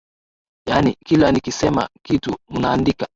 Yaani kila nikisema kitu mnaandika?